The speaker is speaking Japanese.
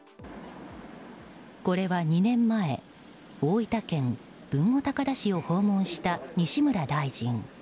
これは２年前大分県豊後高田市を訪問した西村大臣。